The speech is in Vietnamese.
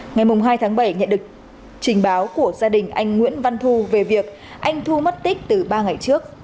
ngày hai tháng bảy nhận được trình báo của gia đình anh nguyễn văn thu về việc anh thu mất tích từ ba ngày trước